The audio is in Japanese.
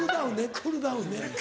クールダウン。